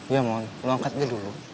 ya mo lo angkat deh dulu